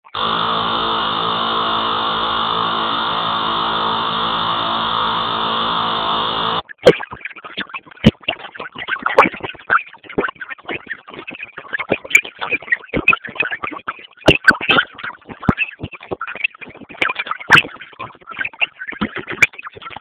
خاموش په تلویزیون بوخت کړی و.